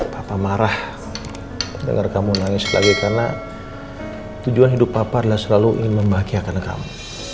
papa marah dengar kamu nangis lagi karena tujuan hidup papa adalah selalu ingin membahagiakan kamu